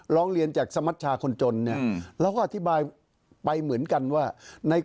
ร้องเรียนจากสมัชชาคนจนเนี่ยเราก็อธิบายไปเหมือนกันว่าใน